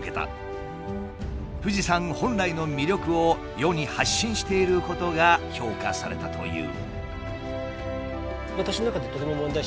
富士山本来の魅力を世に発信していることが評価されたという。